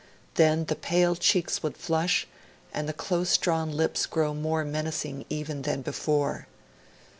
Then the pale cheeks would flush and the close drawn lips would grow even more menacing than before.